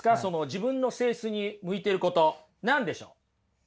自分の性質に向いてること何でしょう。